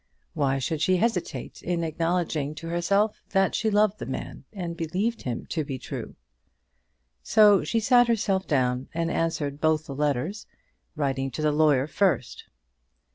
Why should she hesitate in acknowledging to herself that she loved the man and believed him to be true? So she sat herself down and answered both the letters, writing to the lawyer first.